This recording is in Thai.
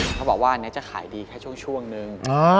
เขาบอกว่าอันนี้จะขายดีแค่ช่วงนึง